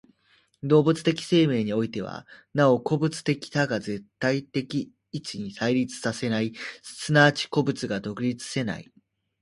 動物的生命においては、なお個物的多が全体的一に対立せない、即ち個物が独立せない。